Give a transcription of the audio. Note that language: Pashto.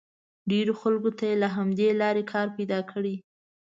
ډېرو خلکو ته یې له همدې لارې کار پیدا کړی.